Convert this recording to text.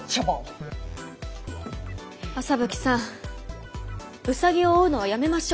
麻吹さんウサギを追うのはやめましょう。